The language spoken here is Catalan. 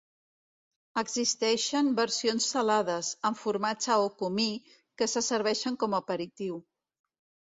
Existeixen versions salades, amb formatge o comí, que se serveixen com a aperitiu.